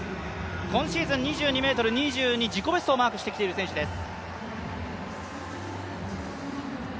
今シーズン２２ｍ２２、自己ベストをマークしてきている選手です。